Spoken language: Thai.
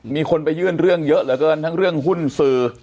มีคนไปยื่นเรื่องเยอะเหลือเกินทั้งเรื่องหุ้นสื่อ